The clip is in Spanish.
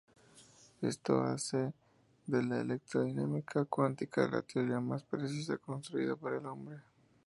Esto hace de la electrodinámica cuántica la teoría más precisa construida por el hombre.